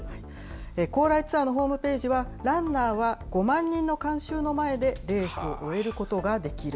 高麗ツアーのホームページは、ランナーは５万人の観衆の前でレースを終えることができる。